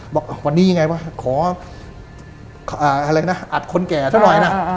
บอกวันนี้ไงวะขออัดคนแก่หน่อยน่ะ